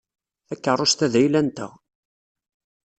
Takeṛṛust-a d ayla-nteɣ.